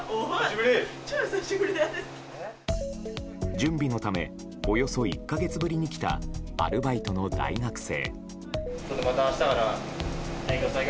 準備のためおよそ１か月ぶりに来たアルバイトの大学生。